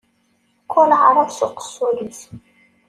Kull aεrab s uqessul-is.